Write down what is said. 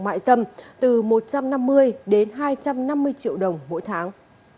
mại dâm từ một trăm năm mươi đến hai trăm năm mươi triệu đồng mỗi tháng